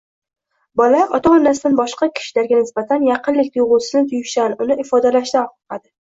bola ota-onasidan boshqa kishilarga nisbatan yaqinlik tuyg‘usini tuyishdan, uni ifolashdan qo‘rqadi.